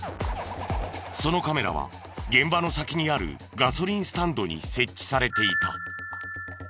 そのカメラは現場の先にあるガソリンスタンドに設置されていた。